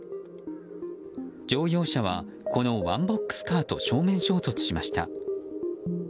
乗用車はこのワンボックスカーと正面衝突しました。